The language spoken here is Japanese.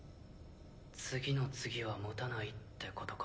次の次はもたないってことか。